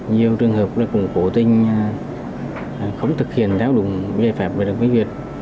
nhiều trường hợp cũng cố tình không thực hiện theo đúng giải pháp về đồng ý việt